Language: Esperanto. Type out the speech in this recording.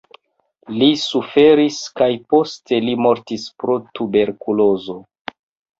Li suferis kaj poste li mortis pro tuberkulozo.